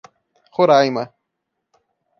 Roraima